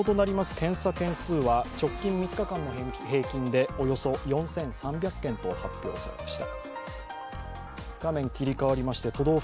検査件数は直近３日間の平均でおよそ４３００件と発表されました。